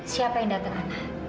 siapa yang datang anak